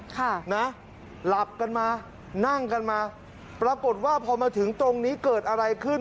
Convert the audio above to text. ค่ะนะหลับกันมานั่งกันมาปรากฏว่าพอมาถึงตรงนี้เกิดอะไรขึ้น